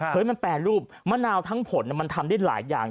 มันแปรรูปมะนาวทั้งผลมันทำได้หลายอย่าง